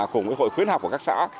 cùng với hội khuyến học của các xã